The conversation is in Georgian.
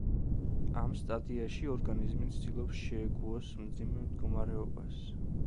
ამ სტადიაში ორგანიზმი ცდილობს შეეგუოს მძიმე მდგომარეობას.